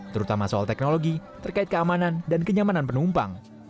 terutama soal teknologi terkait keamanan dan kenyamanan penumpang